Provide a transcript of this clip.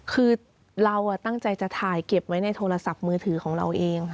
คือเราตั้งใจจะถ่ายเก็บไว้ในโทรศัพท์มือถือของเราเองค่ะ